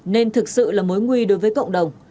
nên thực sự là mối nguy đối với cộng đồng